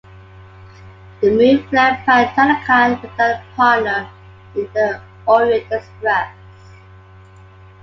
The move left Pat Tanaka without a partner in The Orient Express.